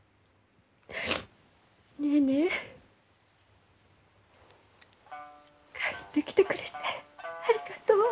ネーネー帰ってきてくれてありがとう。